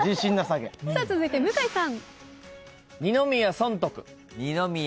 続いて向井さん。